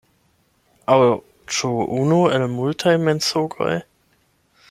Aŭ ĉu unu el multaj mensogoj?